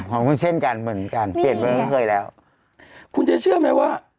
เหมือนเช่นกันเหมือนกันเบนเรื่องเคยเคยแล้วคุณจะเชื่อไหมว่า